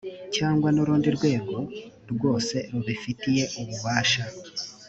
cyangwa n’urundi rwego rwose rubifitiye ububasha